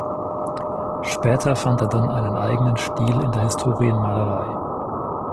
Später fand er dann einen eigenen Stil in der Historienmalerei.